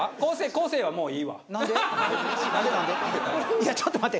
いやちょっと待って。